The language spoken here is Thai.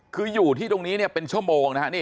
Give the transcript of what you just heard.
คืออยู่ที่ตรงนี้เนี่ยเป็นชั่วโมงนะฮะ